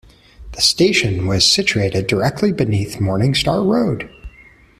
The station was situated directly beneath Morningstar Road.